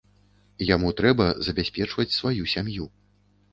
Яму трэба забяспечваць сваю сям'ю.